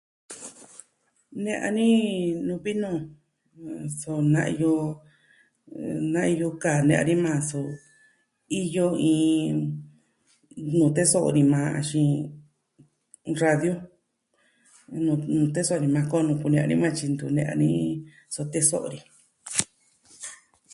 Nee a ni nuu vi nuu so na iyo... na iyo kaa nee a ni maa so... iyo iin... nuu teso'o ni maa axin radio, nuu, nuu teso'o ni maa koo nuu kune'ya ni man tyi ntu ne'ya ni, so teso'o ni.